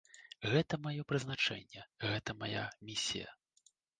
Гэта маё прызначэнне, гэта мая місія.